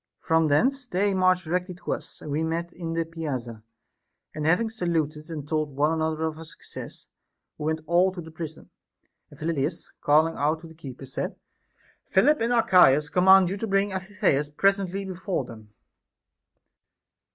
33. From thence they marched directly to us, and we met in the piazza ; and having saluted and told one another our success, we went all to the prison. And Phyllidas, calling out the keeper, said : Philip and Archias command you to bring Amphitheus presently before them.